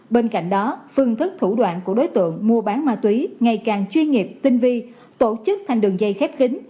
bên cạnh đó phương thức thủ đoạn của đối tượng mua bán ma túy ngày càng chuyên nghiệp tinh vi tổ chức thành đường dây khép kính